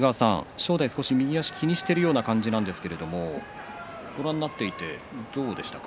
正代が少し右足を気にしている感じなんですがご覧になっていてどうでしたか。